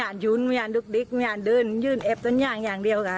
มันยุ่นมันยุ่นดึกมันยุ่นเอ๊บต้นย่างอย่างเดียวกับ